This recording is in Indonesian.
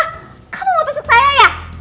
kamu mau tusuk saya ya